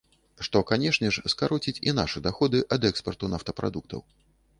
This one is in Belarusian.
Што, канешне ж, скароціць і нашы даходы ад экспарту нафтапрадуктаў.